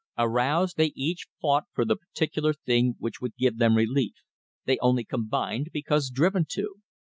Aroused, they each fought for the particular thing which would give them relief. They only combined because driven to.